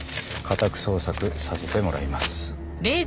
家宅捜索させてもらいます。